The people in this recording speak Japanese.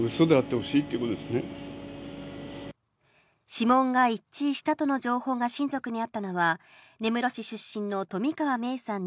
指紋が一致したとの情報が親族にあったのは根室市出身の冨川芽生さん